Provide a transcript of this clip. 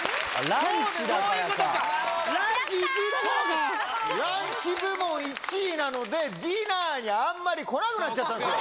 ランチ部門１位なので、ディナーにあんまり来なくなっちゃったんですよ。